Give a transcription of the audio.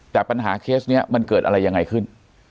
แต่ปัญหาเคสนี้มันเกิดอะไรยังไงขึ้น